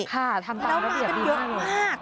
ค่ะทำตามระเบียบเยอะมาก